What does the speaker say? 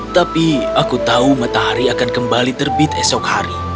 tapi aku tahu matahari akan kembali terbit esok hari